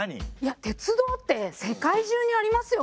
鉄道って世界中にありますよね。